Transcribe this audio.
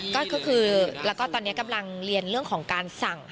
ก็นี่ก็คือแบบการเรียนเรื่องของการสั่ง